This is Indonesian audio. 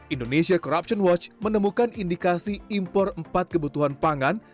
indonesia corruption watch menemukan indikasi impor empat kebutuhan pangan